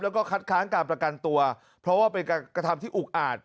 แล้วก็คัดค้างการประกันตัวเพราะว่าเป็นการกระทำที่อุกอาจ